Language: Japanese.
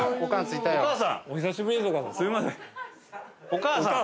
お母さん。